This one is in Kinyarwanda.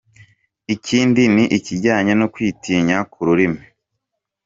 Ikindi ni ikijyanye no kwitinya ku rurimi.